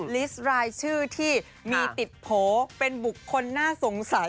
ลิสต์รายชื่อที่มีติดโผล่เป็นบุคคลน่าสงสัย